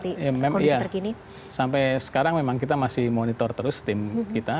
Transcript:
iya sampai sekarang memang kita masih monitor terus tim kita